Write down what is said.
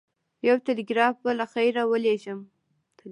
یو ټلګراف به له خیره ورلېږم.